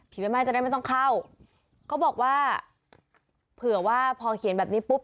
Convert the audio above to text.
แม่จะได้ไม่ต้องเข้าเขาบอกว่าเผื่อว่าพอเขียนแบบนี้ปุ๊บ